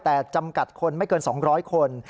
แต่จำกัดคนไม่เกิน๒๐๐คน